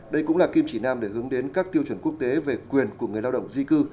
đây cũng là kim chỉ nam để hướng đến các tiêu chuẩn quốc tế về quyền của người lao động di cư